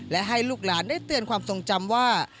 และให้ลูกหลานได้เตือนความทรงจำว่า